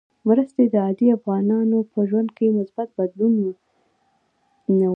مرستې د عادي افغانانو په ژوند کې مثبت بدلون نه وست.